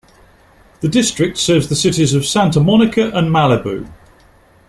The district serves the cities of Santa Monica and Malibu.